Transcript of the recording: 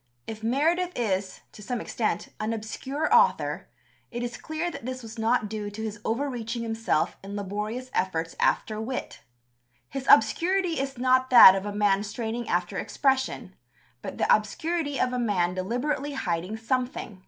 '" If Meredith is to some extent an obscure author, it is clear that this was not due to his over reaching himself in laborious efforts after wit. His obscurity is not that of a man straining after expression, but the obscurity of a man deliberately hiding something.